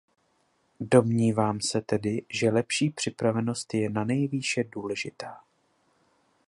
Domnívám se tedy, že lepší připravenost je nanejvýše důležitá.